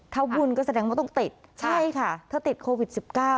ถ้าวุ่นก็แสดงว่าต้องติดใช่ค่ะเธอติดโควิด๑๙